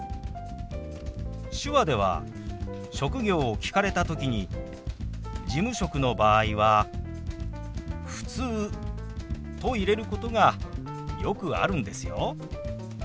手話では職業を聞かれた時に事務職の場合は「ふつう」と入れることがよくあるんですよ。